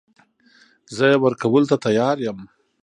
زه يې ورکولو ته تيار يم .